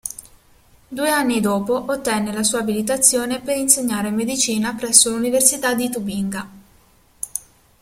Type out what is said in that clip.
Due anni dopo ottenne la sua abilitazione per insegnare medicina presso l'Università di Tubinga.